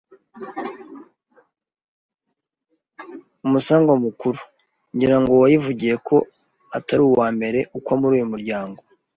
Umusangwa mukuru: Ngira ngo wayivugiye ko atari uwa mere ukwa muri uyu muryango